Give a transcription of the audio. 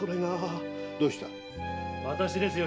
・私ですよ